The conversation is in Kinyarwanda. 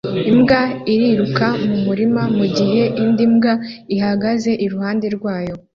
Imbwa iriruka mu murima mugihe indi mbwa ihagaze iruhande rwayo